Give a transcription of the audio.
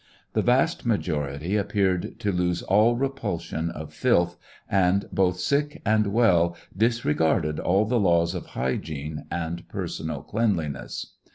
The vast majority appeared to lose all repulsion of filth, and both sick and well disregarded all the laws of hygiene and personal cleanliness.